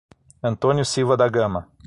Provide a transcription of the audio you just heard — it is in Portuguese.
Antônio Silva da Gama